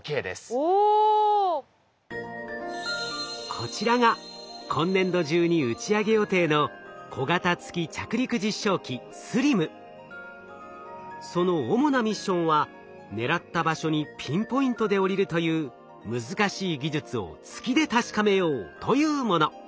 こちらが今年度中に打ち上げ予定のその主なミッションは狙った場所にピンポイントで降りるという難しい技術を月で確かめようというもの。